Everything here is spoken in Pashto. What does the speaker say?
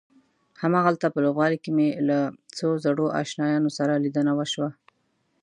هماغلته په لوبغالي کې مې له څو زړو آشنایانو سره لیدنه وشوه.